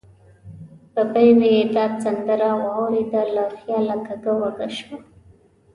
ببۍ مې دا سندره واورېده، له خیاله کږه وږه شوه.